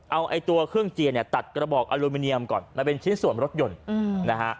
เอาไอ้ตัวเครื่องเจียเนี่ยตัดกระบอกอลูมิเนียมก่อนมันเป็นชิ้นส่วนรถยนต์นะฮะ